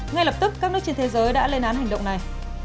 ngay lập tức các nước trên thế giới đã lên án hành động này